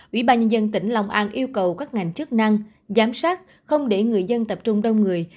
ủy ban nhân dân tỉnh long an yêu cầu các ngành chức năng giám sát không để người dân tập trung đông người